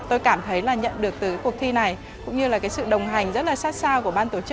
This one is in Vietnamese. tôi cảm thấy là nhận được từ cuộc thi này cũng như là cái sự đồng hành rất là sát sao của ban tổ chức